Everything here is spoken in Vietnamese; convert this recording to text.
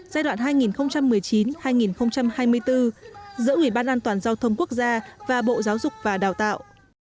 giai đoạn hai nghìn một mươi chín hai nghìn hai mươi bốn giữa ủy ban an toàn giao thông quốc gia và bộ giáo dục và đào tạo